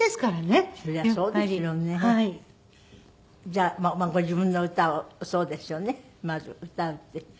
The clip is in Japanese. じゃあご自分の歌をそうですよねまず歌うって。